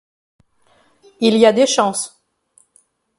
Il y a des chances.